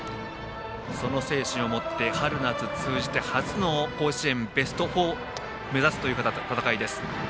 その精神を持って春夏通じて初の甲子園ベスト４を目指すという戦いです。